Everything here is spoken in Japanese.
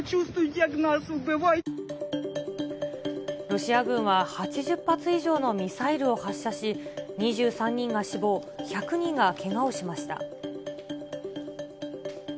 ロシア軍は８０発以上のミサイルを発射し、２３人が死亡、１００人がけがをしました。